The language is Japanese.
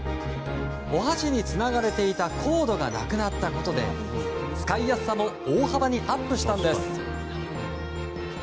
お箸につながれていたコードがなくなったことで使いやすさも大幅にアップしたんです。